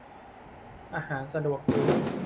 อาหารสะดวกซื้อ